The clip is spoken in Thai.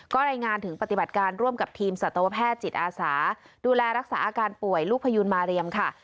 ก็รายงานถึงปฏิบัติการร่วมกับทีมสัตวแพทย์จิตอาสาดูแลรักษาอาการป่วยลูกพยูนมาเรียมค่ะ